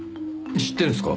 知ってんすか？